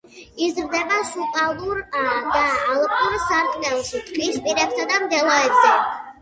იზრდება სუბალპურ და ალპურ სარტყელში, ტყის პირებსა და მდელოებზე.